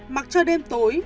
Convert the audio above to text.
mặc cho đêm tối